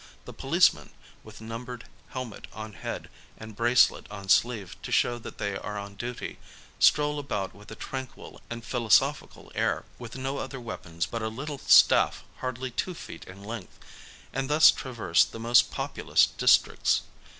The policemen, with numbered hel met on head and bracelet on sleeve to show that they are on duty, stroll about with a tranquil and philosophical air, with no other weapons but a little staff hardly two feet in length, and thus traverse the most populous districts.